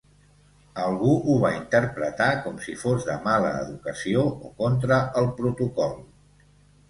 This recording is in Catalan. Algú ho va interpretar com si fos de mala educació o contra el protocol?